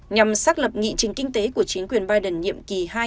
nhằm xác lập nghị trình kinh tế của chính quyền biden nhiệm kỳ hai